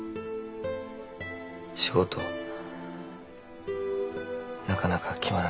仕事なかなか決まらなくて。